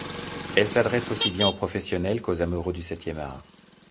Elle s’adresse aussi bien aux professionnels qu'aux amoureux du septième art.